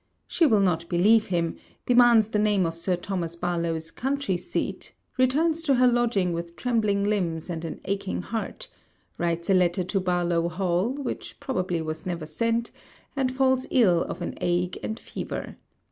She will not believe him; demands the name of Sir Thomas Barlowe's country seat; returns to her lodging with trembling limbs and an aching heart; writes a letter to Barlowe Hall, which probably was never sent; and falls ill of an ague and fever.